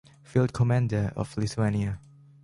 Field-Commander of Lithuania.